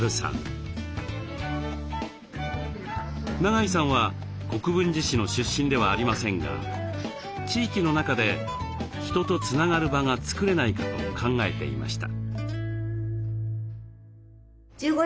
永井さんは国分寺市の出身ではありませんが地域の中で人とつながる場が作れないかと考えていました。